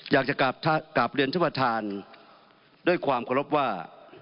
อยากจะกลับเรียนท่านประธานด้วยความเคารพว่า